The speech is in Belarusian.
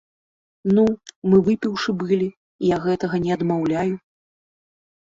Ну, мы выпіўшы былі, я гэтага не адмаўляю.